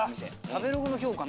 食ベログの評価